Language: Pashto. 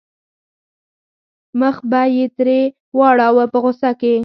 مخ به یې ترې واړاوه په غوسه کې.